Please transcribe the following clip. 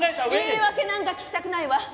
言い訳なんか聞きたくないわ！